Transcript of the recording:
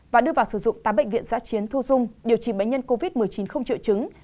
và đưa vào sử dụng tám bệnh viện giã chiến thu dung điều trị bệnh nhân covid một mươi chín không triệu chứng